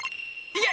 いけ！